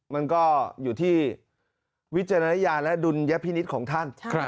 มันก็อยู่ที่วิจารณญาณและดุลยพินิษฐ์ของท่าน